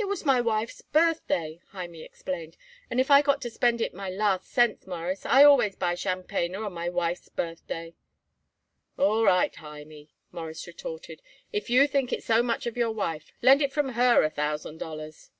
"It was my wife's birthday," Hymie explained; "and if I got to spend it my last cent, Mawruss, I always buy tchampanyer on my wife's birthday." "All right, Hymie," Morris retorted; "if you think it so much of your wife, lend it from her a thousand dollars."